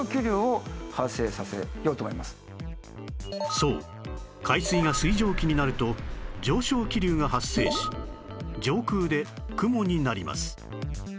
そう海水が水蒸気になると上昇気流が発生し上空で雲になります